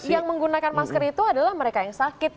karena yang menggunakan masker itu adalah mereka yang sakit